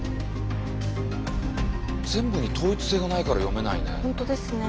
全部に統一性がないから読めないね。